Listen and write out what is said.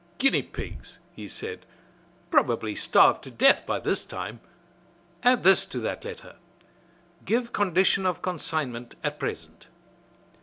"Huh! guinea pigs!" he said. "Probably starved to death by this time! Add this to that letter: 'Give condition of consignment at present.'"